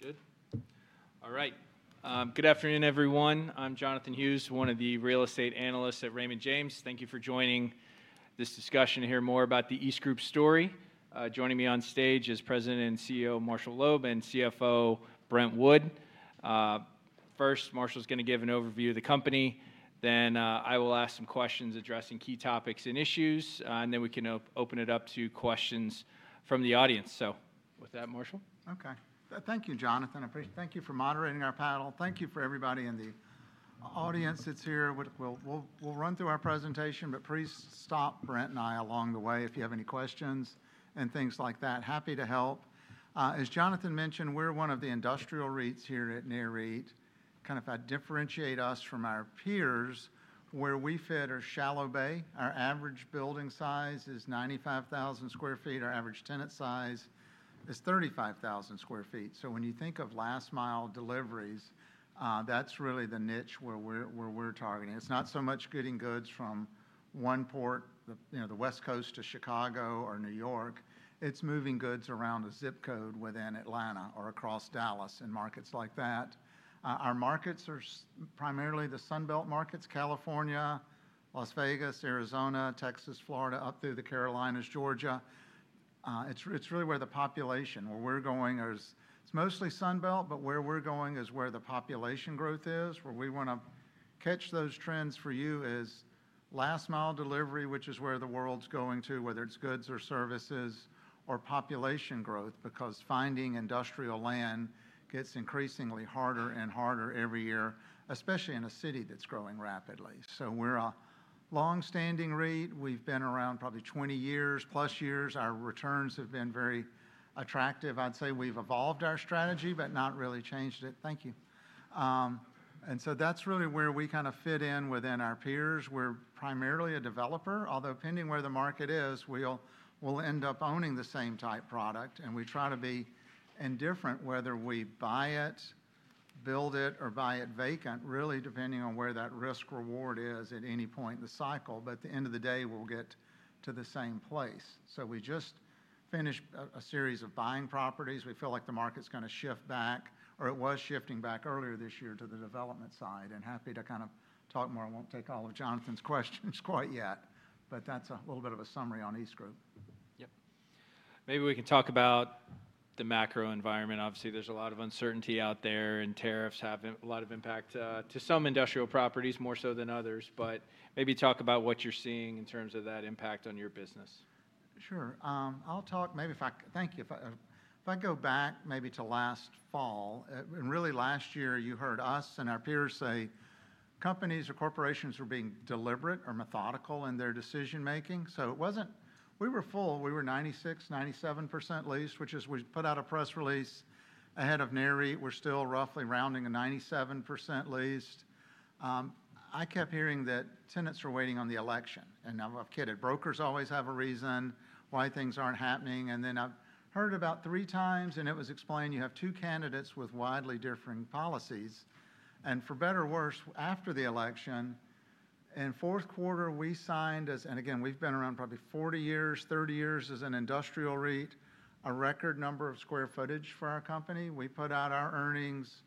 Good. All right. Good afternoon, everyone. I'm Jonathan Hughes, one of the real estate analysts at Raymond James. Thank you for joining this discussion to hear more about the EastGroup story. Joining me on stage is President and CEO Marshall Loeb and CFO Brent Wood. First, Marshall's going to give an overview of the company. Then I will ask some questions addressing key topics and issues, and then we can open it up to questions from the audience. With that, Marshall. Okay. Thank you, Jonathan. Thank you for moderating our panel. Thank you for everybody in the audience that's here. We'll run through our presentation, but please stop Brent and I along the way if you have any questions and things like that. Happy to help. As Jonathan mentioned, we're one of the industrial REITs here at NAREIT. Kind of how differentiate us from our peers, where we fit are Shallow Bay. Our average building size is 95,000 sq ft. Our average tenant size is 35,000 sq ft. When you think of last-mile deliveries, that's really the niche where we're targeting. It's not so much getting goods from one port, the West Coast to Chicago or New York. It's moving goods around a zip code within Atlanta or across Dallas and markets like that. Our markets are primarily the Sunbelt markets: California, Las Vegas, Arizona, Texas, Florida, up through the Carolinas, Georgia. It is really where the population, where we are going, is mostly Sunbelt, but where we are going is where the population growth is. Where we want to catch those trends for you is last-mile delivery, which is where the world is going to, whether it is goods or services or population growth, because finding industrial land gets increasingly harder and harder every year, especially in a city that is growing rapidly. We are a long-standing REIT. We have been around probably 20 years, plus years. Our returns have been very attractive. I would say we have evolved our strategy, but not really changed it. Thank you. That is really where we kind of fit in within our peers. We are primarily a developer. Although, depending where the market is, we will end up owning the same type product. We try to be indifferent whether we buy it, build it, or buy it vacant, really depending on where that risk-reward is at any point in the cycle. At the end of the day, we'll get to the same place. We just finished a series of buying properties. We feel like the market's going to shift back, or it was shifting back earlier this year to the development side. Happy to kind of talk more. I won't take all of Jonathan's questions quite yet, but that's a little bit of a summary fon EastGroup. Yep. Maybe we can talk about the macro environment. Obviously, there's a lot of uncertainty out there, and tariffs have a lot of impact to some industrial properties, more so than others. Maybe talk about what you're seeing in terms of that impact on your business. Sure. I'll talk maybe if I thank you. If I go back maybe to last fall, and really last year, you heard us and our peers say companies or corporations were being deliberate or methodical in their decision-making. It was not we were full. We were 96-97% leased, which is we put out a press release ahead of NAREIT. We're still roughly rounding a 97% leased. I kept hearing that tenants are waiting on the election. I've kidded. Brokers always have a reason why things aren't happening. I've heard about three times, and it was explained, you have two candidates with widely differing policies. For better or worse, after the election, in fourth quarter, we signed as, and again, we've been around probably 40 years, 30 years as an industrial REIT, a record number of square footage for our company. We put out our earnings.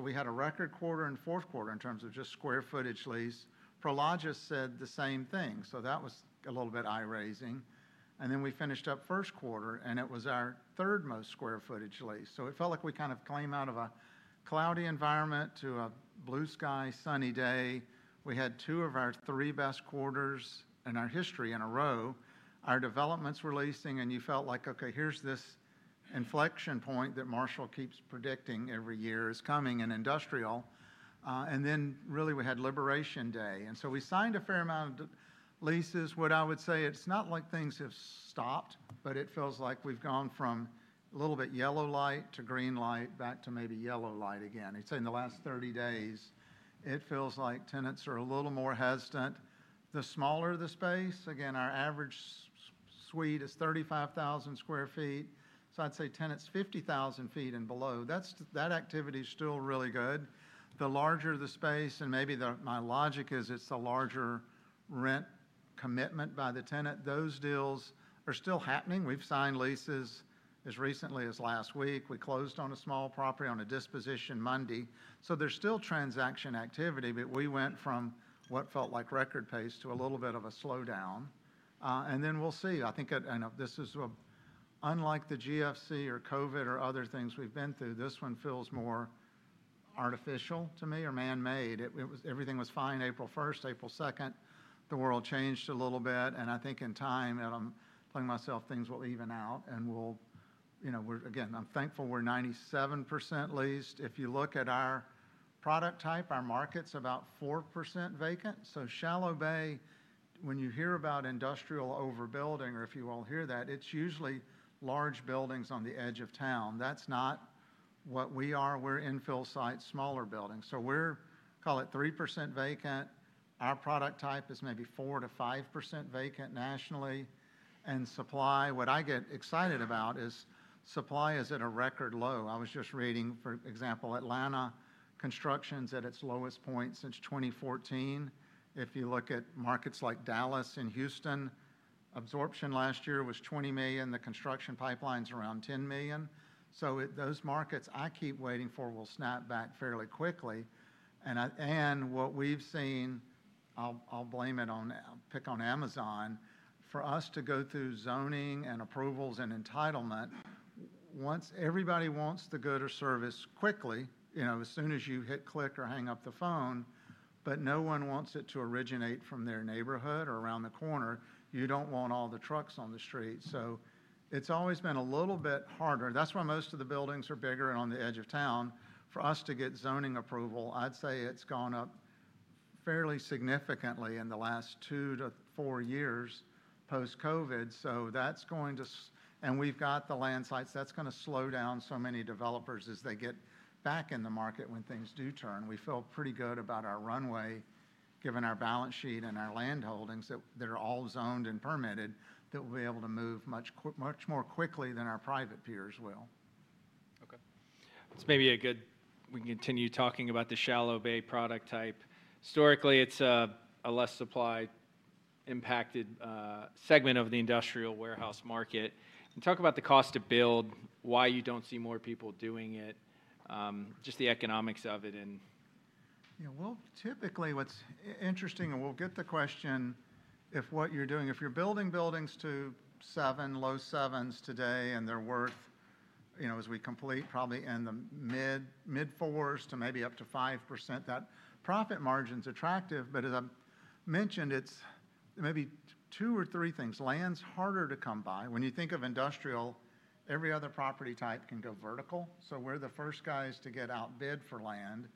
We had a record quarter and fourth quarter in terms of just square footage lease. Prologis said the same thing. That was a little bit eye-raising. We finished up first quarter, and it was our third most square footage lease. It felt like we kind of came out of a cloudy environment to a blue sky, sunny day. We had two of our three best quarters in our history in a row. Our developments were leasing, and you felt like, okay, here is this inflection point that Marshall keeps predicting every year is coming in industrial. We had Liberation Day. We signed a fair amount of leases. What I would say, it's not like things have stopped, but it feels like we've gone from a little bit yellow light to green light, back to maybe yellow light again. I'd say in the last 30 days, it feels like tenants are a little more hesitant. The smaller the space, again, our average suite is 35,000 sq ft. I'd say tenants, 50,000 sq ft and below, that activity is still really good. The larger the space, and maybe my logic is it's the larger rent commitment by the tenant. Those deals are still happening. We've signed leases as recently as last week. We closed on a small property on a disposition Monday. There is still transaction activity, but we went from what felt like record pace to a little bit of a slowdown. We will see. I think, you know, this is unlike the GFC or COVID or other things we've been through. This one feels more artificial to me or man-made. Everything was fine April 1, April 2. The world changed a little bit. I think in time, and I'm telling myself things will even out, and we'll, you know, again, I'm thankful we're 97% leased. If you look at our product type, our market's about 4% vacant. Shallow bay, when you hear about industrial overbuilding, or if you all hear that, it's usually large buildings on the edge of town. That's not what we are. We're infill sites, smaller buildings. We're, call it, 3% vacant. Our product type is maybe 4-5% vacant nationally. What I get excited about is supply is at a record low. I was just reading, for example, Atlanta construction's at its lowest point since 2014. If you look at markets like Dallas and Houston, absorption last year was $20 million. The construction pipeline's around $10 million. Those markets I keep waiting for will snap back fairly quickly. What we've seen, I'll blame it on, pick on Amazon, for us to go through zoning and approvals and entitlement. Everybody wants the good or service quickly, you know, as soon as you hit click or hang up the phone, but no one wants it to originate from their neighborhood or around the corner, you don't want all the trucks on the street. It's always been a little bit harder. That's why most of the buildings are bigger and on the edge of town. For us to get zoning approval, I'd say it's gone up fairly significantly in the last two to four years post-COVID. That is going to, and we've got the land sites. That is going to slow down so many developers as they get back in the market when things do turn. We feel pretty good about our runway, given our balance sheet and our land holdings that are all zoned and permitted, that we'll be able to move much more quickly than our private peers will. Okay. That's maybe a good, we can continue talking about the Shallow Bay product type. Historically, it's a less supply impacted segment of the industrial warehouse market. Talk about the cost to build, why you don't see more people doing it, just the economics of it. You know, typically what's interesting, and we'll get the question if what you're doing, if you're building buildings to 7%, low 7%s today, and they're worth, you know, as we complete probably in the mid-4%s to maybe up to 5%, that profit margin's attractive. As I mentioned, it's maybe two or three things. Land's harder to come by. When you think of industrial, every other property type can go vertical. We're the first guys to get outbid for land.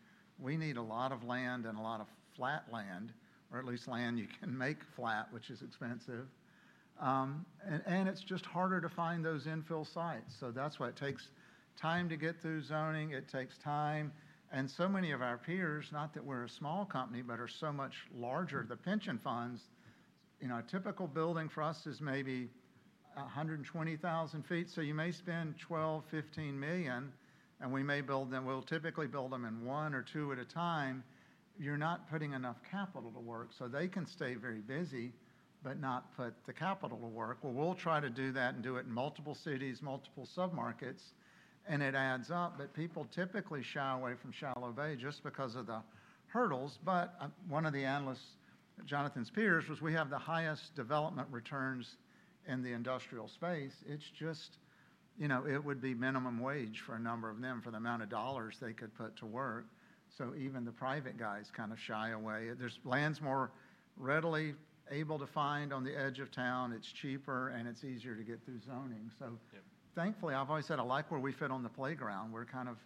We need a lot of land and a lot of flat land, or at least land you can make flat, which is expensive. It's just harder to find those infill sites. That's why it takes time to get through zoning. It takes time. So many of our peers, not that we're a small company, but are so much larger. The pension funds, you know, a typical building for us is maybe 120,000 sq ft. So you may spend $12 million, $15 million, and we may build them. We'll typically build them one or two at a time. You're not putting enough capital to work. They can stay very busy, but not put the capital to work. We'll try to do that and do it in multiple cities, multiple sub-markets, and it adds up. People typically shy away from Shallow Bay just because of the hurdles. One of the analysts, Jonathan's peers, was we have the highest development returns in the industrial space. It's just, you know, it would be minimum wage for a number of them for the amount of dollars they could put to work. Even the private guys kind of shy away. There's land that's more readily able to find on the edge of town. It's cheaper, and it's easier to get through zoning. Thankfully, I've always said I like where we fit on the playground. We're kind of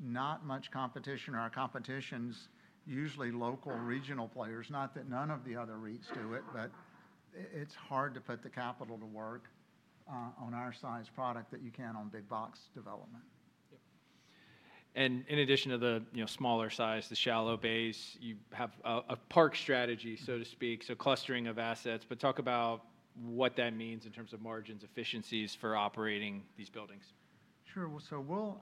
not much competition. Our competition's usually local, regional players. Not that none of the other REITs do it, but it's hard to put the capital to work on our size product that you can on big box development. Yep. And in addition to the, you know, smaller size, the shallow bays, you have a park strategy, so to speak, so clustering of assets. But talk about what that means in terms of margins, efficiencies for operating these buildings. Sure.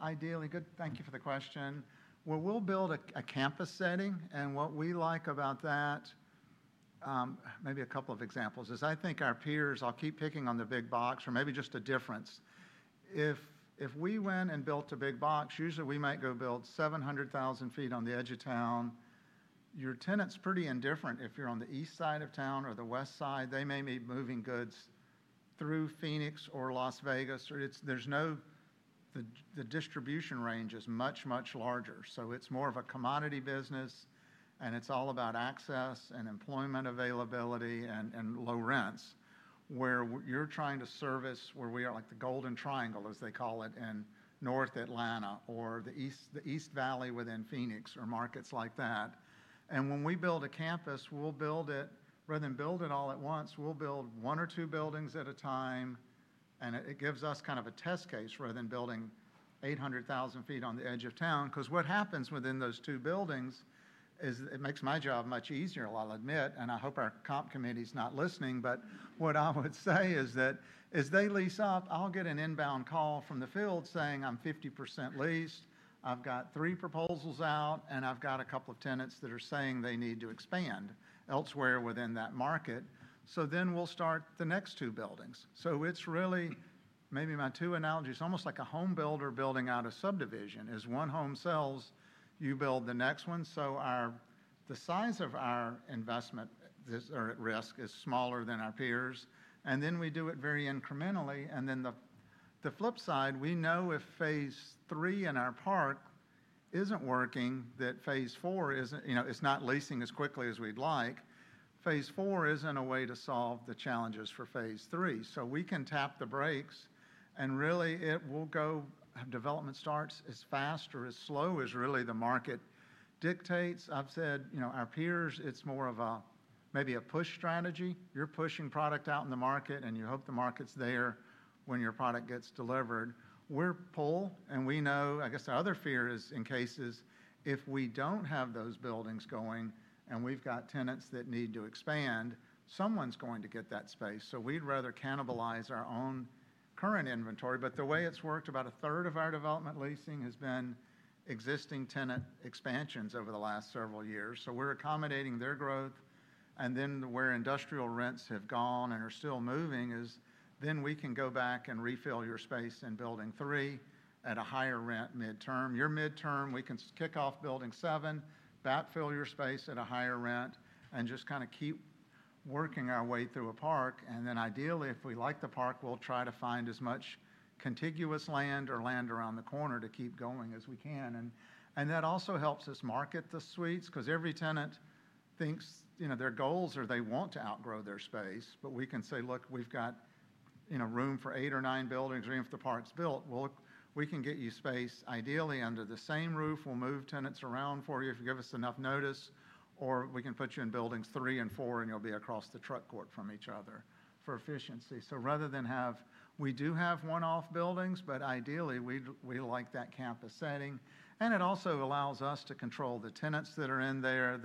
Ideally, good, thank you for the question. We'll build a campus setting. What we like about that, maybe a couple of examples, is I think our peers, I'll keep picking on the big box or maybe just a difference. If we went and built a big box, usually we might go build 700,000 ft on the edge of town. Your tenant's pretty indifferent if you're on the east side of town or the west side. They may be moving goods through Phoenix or Las Vegas. There's no, the distribution range is much, much larger. It is more of a commodity business, and it is all about access and employment availability and low rents, where you're trying to service where we are like the Golden Triangle, as they call it, in North Atlanta or the East Valley within Phoenix or markets like that. When we build a campus, we'll build it, rather than build it all at once, we'll build one or two buildings at a time. It gives us kind of a test case rather than building 800,000 sq ft on the edge of town. What happens within those two buildings is it makes my job much easier, I'll admit. I hope our comp committee's not listening. What I would say is that as they lease up, I'll get an inbound call from the field saying, "I'm 50% leased. I've got three proposals out, and I've got a couple of tenants that are saying they need to expand elsewhere within that market." We will start the next two buildings. It's really maybe my two analogies, almost like a home builder building out a subdivision. As one home sells, you build the next one. The size of our investment that are at risk is smaller than our peers. We do it very incrementally. The flip side, we know if phase three in our park is not working, that phase four is not, you know, it is not leasing as quickly as we would like. Phase four is not a way to solve the challenges for phase three. We can tap the brakes and really it will go, development starts as fast or as slow as really the market dictates. I have said, you know, our peers, it is more of a maybe a push strategy. You are pushing product out in the market, and you hope the market is there when your product gets delivered. We're pull, and we know, I guess the other fear is in cases if we don't have those buildings going and we've got tenants that need to expand, someone's going to get that space. We'd rather cannibalize our own current inventory. The way it's worked, about a third of our development leasing has been existing tenant expansions over the last several years. We're accommodating their growth. Where industrial rents have gone and are still moving is then we can go back and refill your space in building three at a higher rent midterm. Your midterm, we can kick off building seven, backfill your space at a higher rent, and just kind of keep working our way through a park. If we like the park, we'll try to find as much contiguous land or land around the corner to keep going as we can. That also helps us market the suites because every tenant thinks, you know, their goals are they want to outgrow their space. We can say, "Look, we've got, you know, room for eight or nine buildings. We have the parks built. We can get you space ideally under the same roof. We'll move tenants around for you if you give us enough notice. Or we can put you in buildings three and four, and you'll be across the truck court from each other for efficiency." Rather than have, we do have one-off buildings, but ideally we like that campus setting. It also allows us to control the tenants that are in there,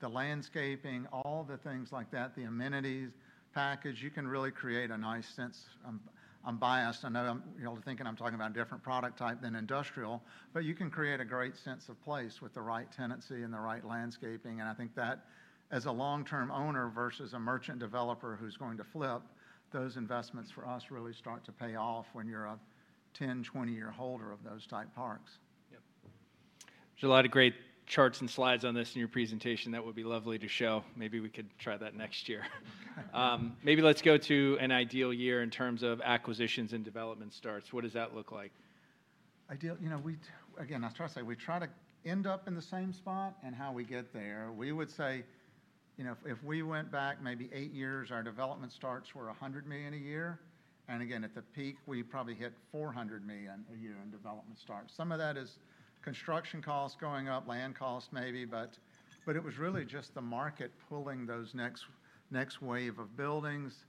the landscaping, all the things like that, the amenities package. You can really create a nice sense. I'm biased. I know you're all thinking I'm talking about a different product type than industrial, but you can create a great sense of place with the right tenancy and the right landscaping. I think that as a long-term owner versus a merchant developer who's going to flip, those investments for us really start to pay off when you're a 10, 20-year holder of those type parks. Yep. There are a lot of great charts and slides on this in your presentation. That would be lovely to show. Maybe we could try that next year. Maybe let's go to an ideal year in terms of acquisitions and development starts. What does that look like? Ideal, you know, we, again, I was trying to say, we try to end up in the same spot and how we get there. We would say, you know, if we went back maybe eight years, our development starts were $100 million a year. And again, at the peak, we probably hit $400 million a year in development starts. Some of that is construction costs going up, land costs maybe, but it was really just the market pulling those next wave of buildings.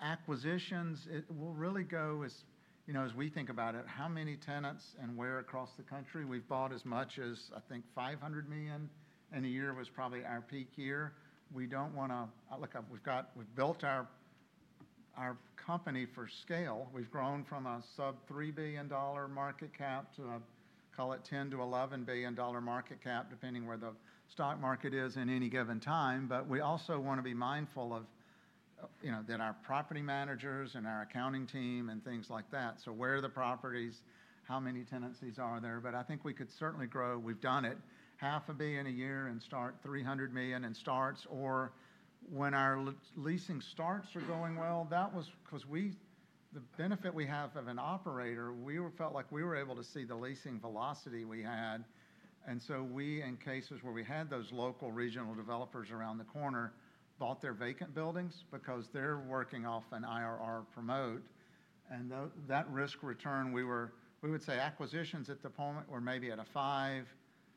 Acquisitions, it will really go as, you know, as we think about it, how many tenants and where across the country. We've bought as much as I think $500 million in a year was probably our peak year. We don't want to, look, we've got, we've built our company for scale. We've grown from a sub $3 billion market cap to a, call it $10-$11 billion market cap, depending where the stock market is in any given time. We also want to be mindful of, you know, that our property managers and our accounting team and things like that. Where are the properties? How many tenancies are there? I think we could certainly grow. We've done it. $500 million a year in starts, $300 million in starts. Or when our leasing starts are going well, that was because we, the benefit we have of an operator, we felt like we were able to see the leasing velocity we had. In cases where we had those local regional developers around the corner, bought their vacant buildings because they're working off an IRR promote. That risk return, we would say acquisitions at the point were maybe at a five.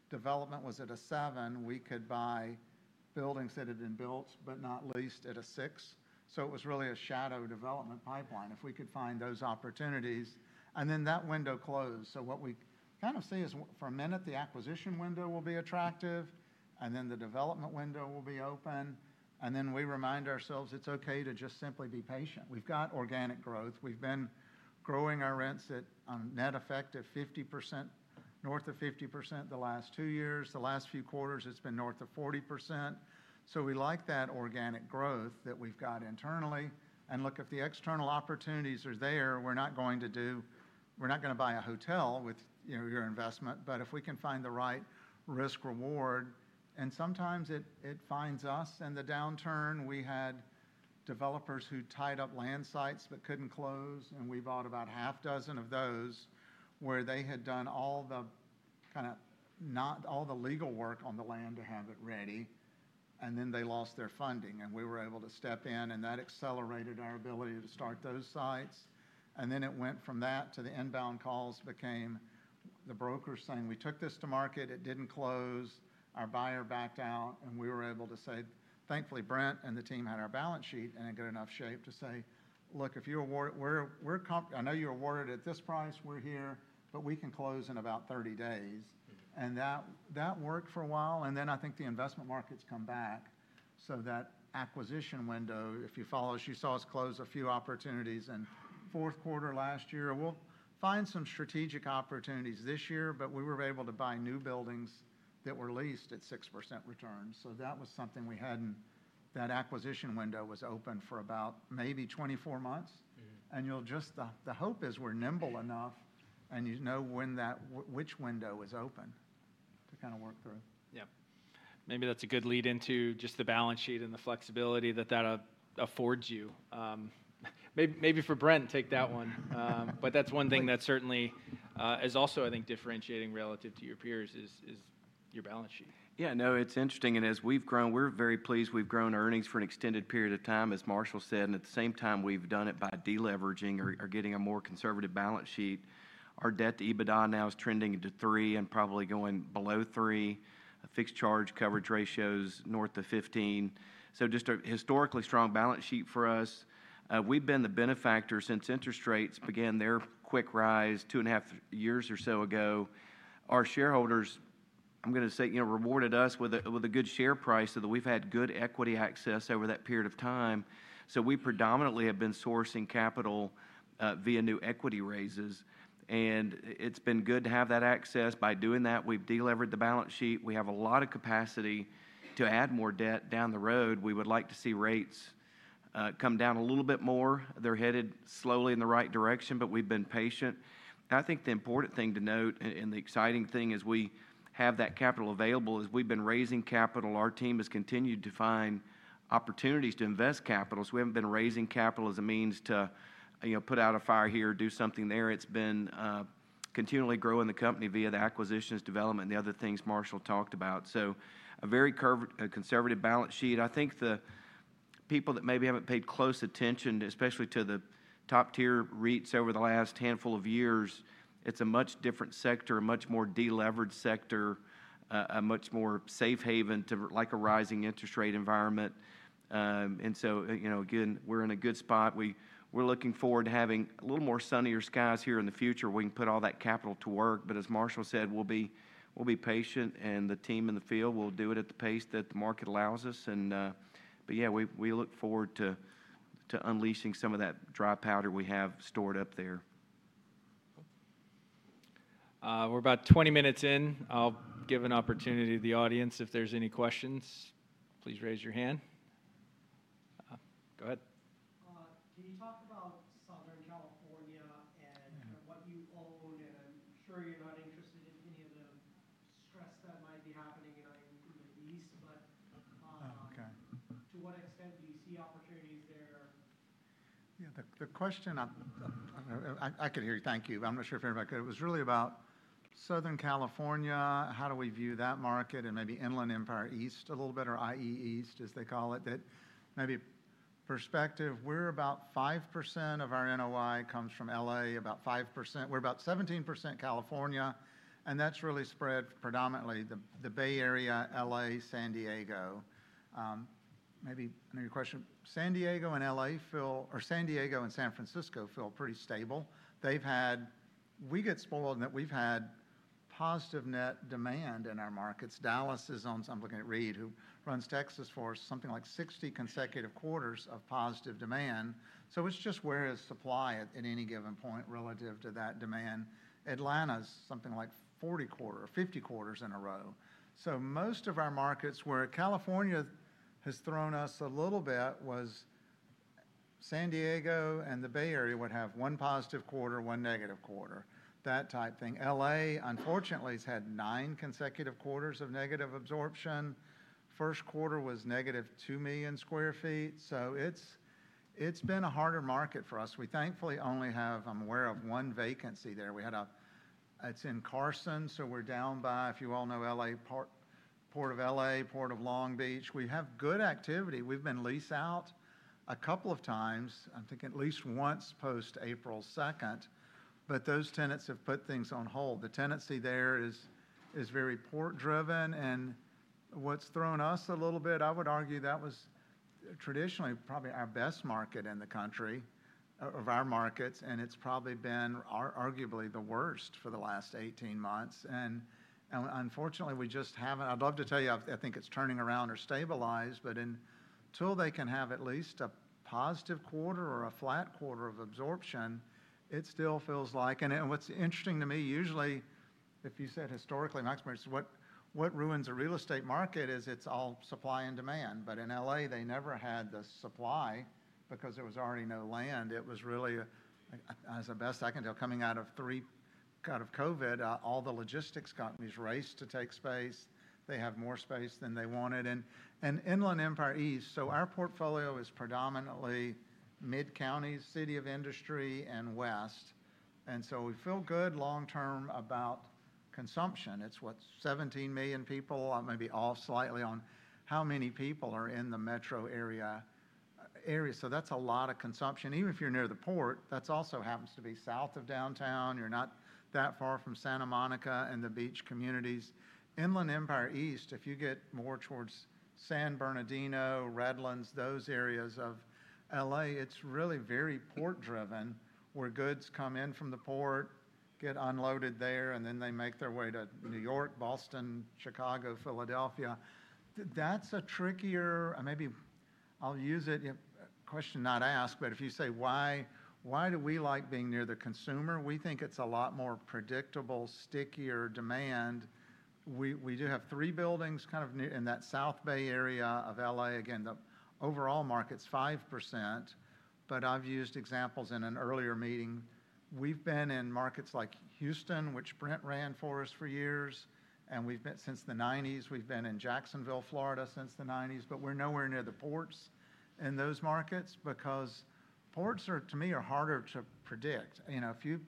Development was at a seven. We could buy buildings that had been built, but not leased at a six. It was really a shadow development pipeline if we could find those opportunities. That window closed. What we kind of see is for a minute, the acquisition window will be attractive, and then the development window will be open. We remind ourselves it's okay to just simply be patient. We've got organic growth. We've been growing our rents at net effective 50%, north of 50% the last two years. The last few quarters, it's been north of 40%. We like that organic growth that we've got internally. Look, if the external opportunities are there, we're not going to do, we're not going to buy a hotel with, you know, your investment. If we can find the right risk-reward, and sometimes it finds us in the downturn. We had developers who tied up land sites but couldn't close. We bought about half a dozen of those where they had done all the kind of, not all the legal work on the land to have it ready. Then they lost their funding. We were able to step in, and that accelerated our ability to start those sites. It went from that to the inbound calls became the brokers saying, "We took this to market. It didn't close. Our buyer backed out. We were able to say, thankfully, Brent and the team had our balance sheet in good enough shape to say, "Look, if you're awarded, I know you're awarded at this price. We're here, but we can close in about 30 days." That worked for a while. I think the investment markets come back. That acquisition window, if you follow, as you saw us close a few opportunities in fourth quarter last year, we'll find some strategic opportunities this year, but we were able to buy new buildings that were leased at 6% returns. That was something we hadn't, that acquisition window was open for about maybe 24 months. The hope is we're nimble enough and you know when that, which window is open to kind of work through. Yep. Maybe that's a good lead into just the balance sheet and the flexibility that that affords you. Maybe for Brent, take that one. That's one thing that certainly is also, I think, differentiating relative to your peers is your balance sheet. Yeah. No, it's interesting. And as we've grown, we're very pleased. We've grown earnings for an extended period of time, as Marshall said. At the same time, we've done it by deleveraging or getting a more conservative balance sheet. Our debt to EBITDA now is trending into three and probably going below three. Fixed charge coverage ratios north of 15. Just a historically strong balance sheet for us. We've been the benefactor since interest rates began their quick rise two and a half years or so ago. Our shareholders, I'm going to say, you know, rewarded us with a good share price so that we've had good equity access over that period of time. We predominantly have been sourcing capital via new equity raises. It's been good to have that access. By doing that, we've delivered the balance sheet. We have a lot of capacity to add more debt down the road. We would like to see rates come down a little bit more. They're headed slowly in the right direction, but we've been patient. I think the important thing to note and the exciting thing as we have that capital available is we've been raising capital. Our team has continued to find opportunities to invest capital. We haven't been raising capital as a means to, you know, put out a fire here, do something there. It's been continually growing the company via the acquisitions, development, and the other things Marshall talked about. A very conservative balance sheet. I think the people that maybe have not paid close attention, especially to the top tier REITs over the last handful of years, it is a much different sector, a much more deleveraged sector, a much more safe haven to like a rising interest rate environment. You know, again, we are in a good spot. We are looking forward to having a little more sunnier skies here in the future. We can put all that capital to work. As Marshall said, we will be patient and the team in the field will do it at the pace that the market allows us. Yeah, we look forward to unleashing some of that dry powder we have stored up there. We're about 20 minutes in. I'll give an opportunity to the audience. If there's any questions, please raise your hand. Go ahead. Can you talk about Southern California and what you own? I am sure you are not interested in any of the stress that might be happening in the East, but to what extent do you see opportunities there? Yeah. The question, I can hear you. Thank you. I'm not sure if everybody could. It was really about Southern California, how do we view that market and maybe Inland Empire East a little bit or IE East, as they call it, that maybe perspective. We're about 5% of our NOI comes from LA, about 5%. We're about 17% California. And that's really spread predominantly the Bay Area, LA, San Diego. Maybe I know your question. San Diego and LA feel, or San Diego and San Francisco feel pretty stable. They've had, we get spoiled that we've had positive net demand in our markets. Dallas is on, I'm looking at Reed, who runs Texas for us, something like 60 consecutive quarters of positive demand. It is just where is supply at any given point relative to that demand? Atlanta's something like 40 quarters, 50 quarters in a row. Most of our markets where California has thrown us a little bit was San Diego and the Bay Area would have one positive quarter, one negative quarter, that type thing. LA, unfortunately, has had nine consecutive quarters of negative absorption. First quarter was negative 2 million sq ft. It has been a harder market for us. We thankfully only have, I am aware of one vacancy there. We had a, it is in Carson, so we are down by, if you all know LA, Port of LA, Port of Long Beach. We have good activity. We have been leased out a couple of times. I think at least once post April 2nd. Those tenants have put things on hold. The tenancy there is very port driven. What has thrown us a little bit, I would argue that was traditionally probably our best market in the country of our markets. It has probably been arguably the worst for the last 18 months. Unfortunately, we just have not, I would love to tell you, I think it is turning around or stabilized. Until they can have at least a positive quarter or a flat quarter of absorption, it still feels like, and what is interesting to me, usually if you said historically, maximum what ruins a real estate market is it is all supply and demand. In Los Angeles, they never had the supply because there was already no land. It was really, as best I can tell, coming out of 2020, out of COVID, all the logistics companies raced to take space. They have more space than they wanted. Inland Empire East, so our portfolio is predominantly mid-counties, City of Industry, and west. We feel good long-term about consumption. It's what, 17 million people, maybe off slightly on how many people are in the metro area. That's a lot of consumption. Even if you're near the port, that also happens to be south of downtown. You're not that far from Santa Monica and the beach communities. Inland Empire East, if you get more towards San Bernardino, Redlands, those areas of LA, it's really very port driven where goods come in from the port, get unloaded there, and then they make their way to New York, Boston, Chicago, Philadelphia. That's a trickier, maybe I'll use it, question not asked, but if you say, why do we like being near the consumer? We think it's a lot more predictable, stickier demand. We do have three buildings kind of in that South Bay area of LA. Again, the overall market's 5%. I've used examples in an earlier meeting. We've been in markets like Houston, which Brent ran for us for years. And we've been since the 1990s, we've been in Jacksonville, Florida since the 1990s, but we're nowhere near the ports in those markets because ports are, to me, harder to predict. You know, if you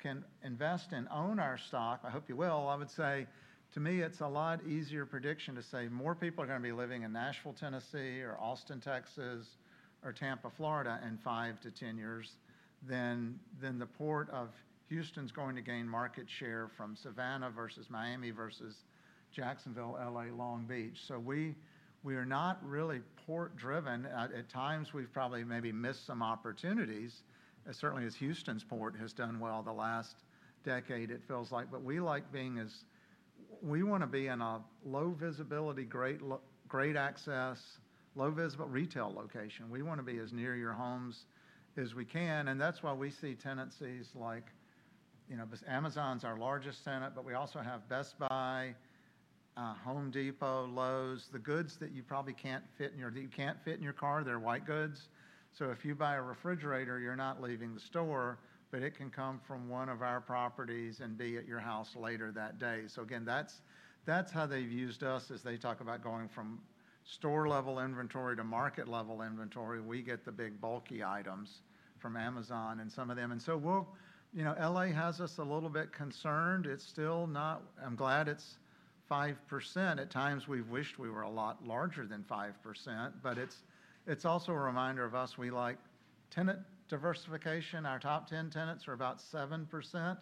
can invest and own our stock, I hope you will, I would say, to me, it's a lot easier prediction to say more people are going to be living in Nashville, Tennessee, or Austin, Texas, or Tampa, Florida in five to ten years than the port of Houston's going to gain market share from Savannah versus Miami versus Jacksonville, LA, Long Beach. So we are not really port driven. At times, we've probably maybe missed some opportunities, certainly as Houston's port has done well the last decade, it feels like. We like being as, we want to be in a low visibility, great access, low visible retail location. We want to be as near your homes as we can. That is why we see tenancies like, you know, Amazon is our largest tenant, but we also have Best Buy, Home Depot, Lowe's, the goods that you probably cannot fit in your, that you cannot fit in your car, they are white goods. If you buy a refrigerator, you are not leaving the store, but it can come from one of our properties and be at your house later that day. Again, that is how they have used us as they talk about going from store level inventory to market level inventory. We get the big bulky items from Amazon and some of them. LA has us a little bit concerned. It is still not, I am glad it is 5%. At times, we've wished we were a lot larger than 5%, but it's also a reminder for us, we like tenant diversification. Our top 10 tenants are about 7%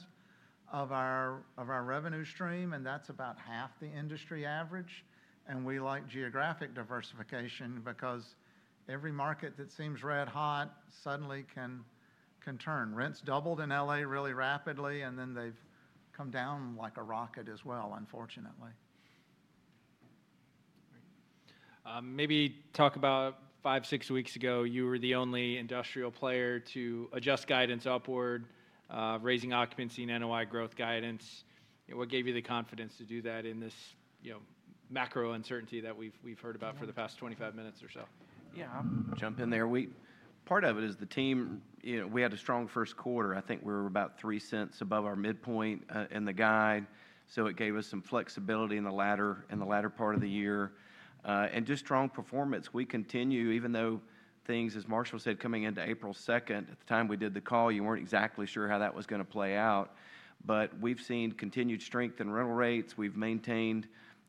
of our revenue stream, and that's about half the industry average. We like geographi0.c diversification because every market that seems red hot suddenly can turn. Rents doubled in LA really rapidly, and then they've come down like a rocket as well, unfortunately. Maybe talk about five, six weeks ago, you were the only industrial player to adjust guidance upward, raising occupancy and NOI growth guidance. What gave you the confidence to do that in this, you know, macro uncertainty that we've heard about for the past 25 minutes or so? Yeah, I'll jump in there. Part of it is the team, you know, we had a strong first quarter. I think we were about $0.03 above our midpoint in the guide. It gave us some flexibility in the latter part of the year. Just strong performance. We continue, even though things, as Marshall said, coming into April 2nd, at the time we did the call, you were not exactly sure how that was going to play out. We have seen continued strength in rental rates. We have maintained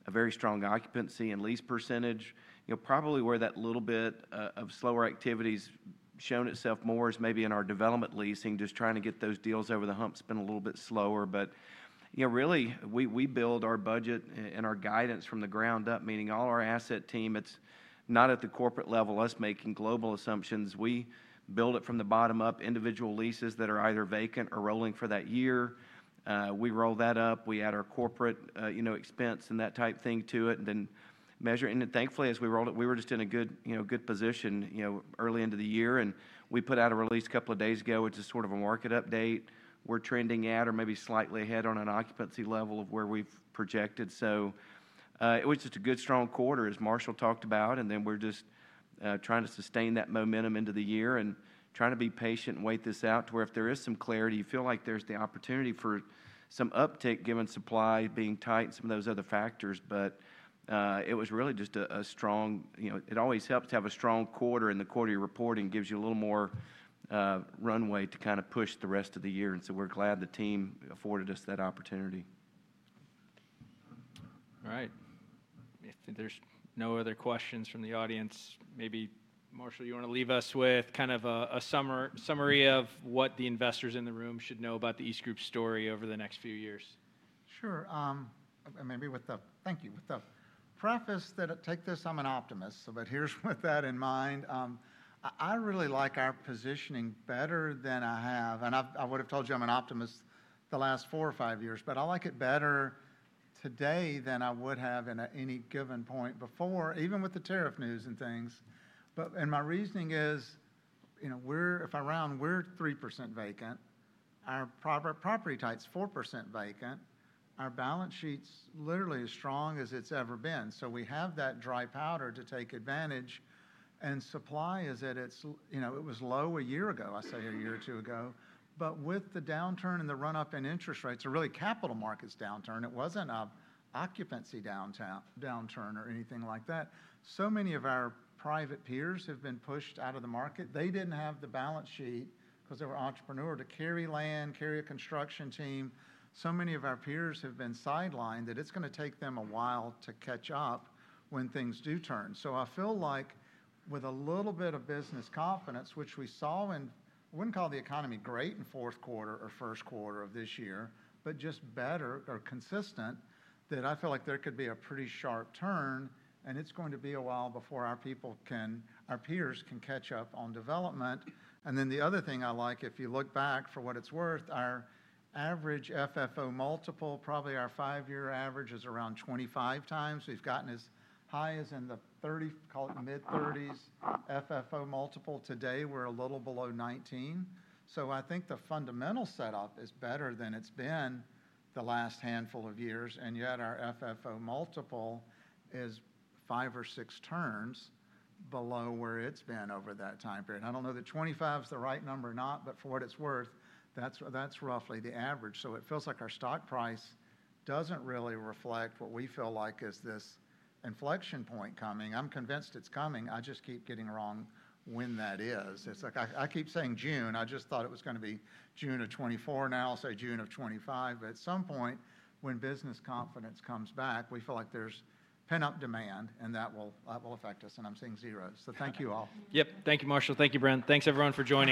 a very strong occupancy and lease percentage. You know, probably where that little bit of slower activity has shown itself more is maybe in our development leasing, just trying to get those deals over the hump has been a little bit slower. You know, really, we build our budget and our guidance from the ground up, meaning all our asset team, it's not at the corporate level, us making global assumptions. We build it from the bottom up, individual leases that are either vacant or rolling for that year. We roll that up. We add our corporate, you know, expense and that type thing to it and then measure. Thankfully, as we rolled it, we were just in a good, you know, good position, you know, early into the year. We put out a release a couple of days ago, which is sort of a market update. We're trending at or maybe slightly ahead on an occupancy level of where we've projected. It was just a good strong quarter, as Marshall talked about. We are just trying to sustain that momentum into the year and trying to be patient and wait this out to where if there is some clarity, you feel like there is the opportunity for some uptick given supply being tight and some of those other factors. It was really just a strong, you know, it always helps to have a strong quarter, and the quarterly reporting gives you a little more runway to kind of push the rest of the year. We are glad the team afforded us that opportunity. All right. If there's no other questions from the audience, maybe Marshall, you want to leave us with kind of a summary of what the investors in the room should know about the EastGroup story over the next few years? Sure. Maybe with the, thank you, with the preface that take this, I'm an optimist. But here's with that in mind. I really like our positioning better than I have. And I would have told you I'm an optimist the last four or five years, but I like it better today than I would have at any given point before, even with the tariff news and things. But my reasoning is, you know, we're, if I round, we're 3% vacant. Our property types, 4% vacant. Our balance sheet's literally as strong as it's ever been. So we have that dry powder to take advantage. And supply is at its, you know, it was low a year ago, I say a year or two ago. But with the downturn and the run-up in interest rates, or really capital markets downturn, it wasn't an occupancy downturn or anything like that. So many of our private peers have been pushed out of the market. They did not have the balance sheet because they were entrepreneur to carry land, carry a construction team. So many of our peers have been sidelined that it is going to take them a while to catch up when things do turn. I feel like with a little bit of business confidence, which we saw in, I would not call the economy great in fourth quarter or first quarter of this year, but just better or consistent, that I feel like there could be a pretty sharp turn. It is going to be a while before our peers can catch up on development. The other thing I like, if you look back for what it is worth, our average FFO multiple, probably our five-year average is around 25 times. We've gotten as high as in the 30, call it mid-30s FFO multiple. Today, we're a little below 19. I think the fundamental setup is better than it's been the last handful of years. Yet our FFO multiple is five or six turns below where it's been over that time period. I don't know that 25 is the right number or not, but for what it's worth, that's roughly the average. It feels like our stock price doesn't really reflect what we feel like is this inflection point coming. I'm convinced it's coming. I just keep getting wrong when that is. It's like I keep saying June. I just thought it was going to be June of 2024. Now I'll say June of 2025. At some point, when business confidence comes back, we feel like there's pent-up demand and that will affect us. I'm seeing zeros. Thank you all. Yep. Thank you, Marshall. Thank you, Brent. Thanks everyone for joining.